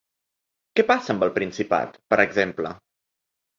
Què passa amb el Principat, per exemple?